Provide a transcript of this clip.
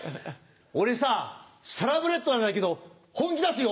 俺さサラブレッドなんだけど本気出すよ！